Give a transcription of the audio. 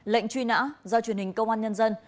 lệnh truy nã do truyền hình công an nhân dân